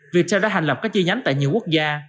viettel đã hành lập các chi nhánh tại nhiều quốc gia